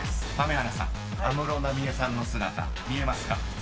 安室奈美恵さんの姿見えますか？］